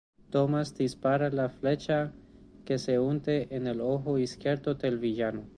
Thomas dispara la flecha que se hunde en el ojo izquierdo del villano.